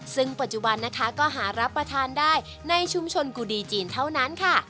ซึ่งปัจจุบันนะคะก็หารับประทานได้ในชุมชนกุดีจีนเท่านั้นค่ะ